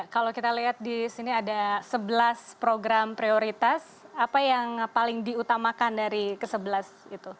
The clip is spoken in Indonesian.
kalau kita lihat di sini ada sebelas program prioritas apa yang paling diutamakan dari ke sebelas itu